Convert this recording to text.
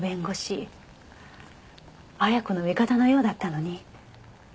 亜矢子の味方のようだったのに。